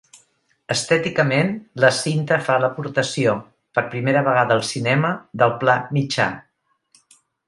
Estèticament, la cinta fa l'aportació, per primera vegada al cinema, del pla mitjà.